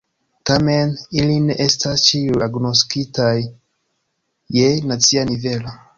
Tamen, ili ne estas ĉiuj agnoskitaj je nacia nivelo.